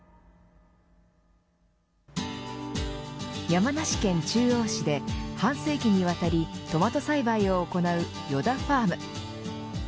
山梨県中央市で半世紀にわたりトマト栽培を行うヨダファーム。